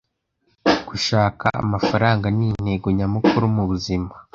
Gushaka amafaranga nintego nyamukuru mubuzima.